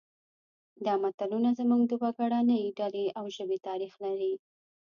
دا متلونه زموږ د وګړنۍ ډلې او ژبې تاریخ لري